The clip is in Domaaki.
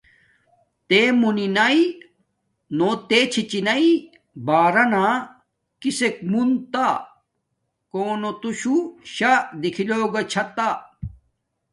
تے مونی نا ،نو تے چھی چی ناݵ بارانا کسک مون تاکو نو توشوہ شا دکھی کو گا چھتا۔